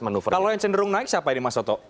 kalau yang cenderung naik siapa ini mas soto